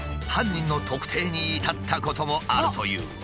犯人の特定に至ったこともあるという。